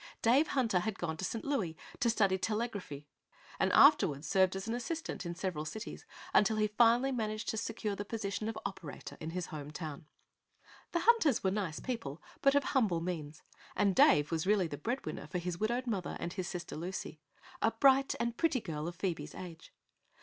Dave Hunter had gone to St. Louis to study telegraphy and afterward served as an assistant in several cities until he finally managed to secure the position of operator in his home town. The Hunters were nice people, but of humble means, and Dave was really the breadwinner for his widowed mother and his sister Lucy, a bright and pretty girl of Phoebe's age.